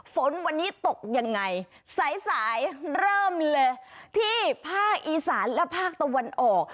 ฝนวันนี้ตกยังไงสายสายเริ่มเลยที่ภาคอีสานและภาคตะวันออก